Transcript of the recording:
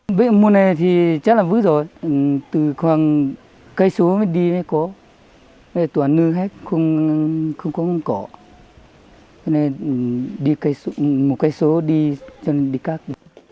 nhiều người dân đã đi hàng tiếng đồng hồ vượt nhiều cây số trong thời tiết giá rét để cắt cỏ cho đàn gia súc của gia đình